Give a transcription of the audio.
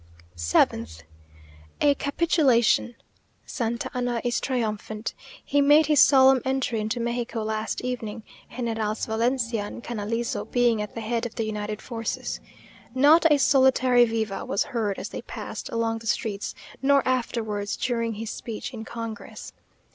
7th. A capitulation. Santa Anna is triumphant. He made his solemn entry into Mexico last evening, Generals Valencia and Canalizo being at the head of the united forces. Not a solitary viva was heard as they passed along the streets; nor afterwards, during his speech in congress.